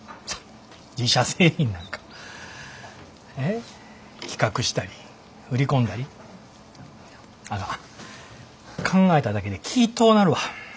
自社製品なんか企画したり売り込んだりあかん考えただけで気ぃ遠なるわ。